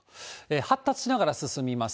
発達しながら進みます。